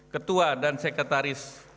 ketua dan sekretaris